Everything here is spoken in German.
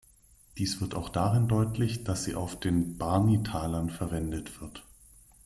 Dies wird auch darin deutlich, dass sie auf den „Barni-Talern“ verwendet wird.